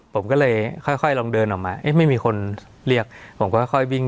ผมก็เลยค่อยลองเดินออกมาเอ๊ะไม่มีคนเรียกผมก็ค่อยวิ่ง